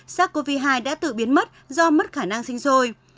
sars cov hai đã tự biến mất do mất khả năng sinh sôi